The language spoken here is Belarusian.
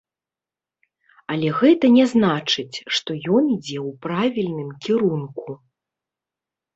Але гэта не значыць, што ён ідзе ў правільным кірунку.